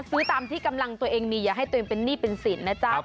ซื้อตามที่กำลังตัวเองมีอย่าให้ตัวเองเป็นหนี้เป็นสินนะจ๊ะ